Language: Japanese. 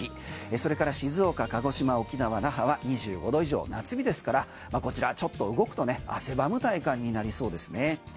それから静岡、鹿児島沖縄・那覇は２５度以上ｍ、夏日ですからこちらちょっと動くと汗ばむ体感になりそうですね。